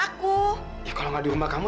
tai suseverything tyure ya di rumah kamu